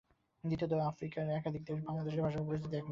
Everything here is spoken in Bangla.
দ্বিতীয়ত, আফ্রিকার একাধিক দেশের আর বাংলাদেশের ভাষা পরিস্থিতি এক নয়।